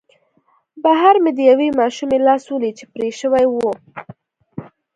بهر مې د یوې ماشومې لاس ولید چې پرې شوی و